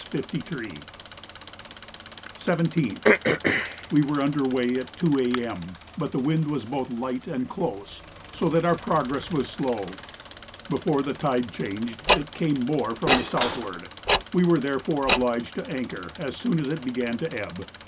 17th. We were under weigh at 2 A.M., but the wind was both light and close, so that our progress was slow. Before the tide changed it came more from the southward; we were therefore obliged to anchor as soon as it began to ebb.